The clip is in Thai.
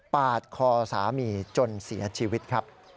ปาดคอสามีจนเสียชีวิตครับ